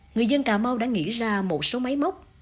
người dân cà mau đã nghĩ ra một số máy móc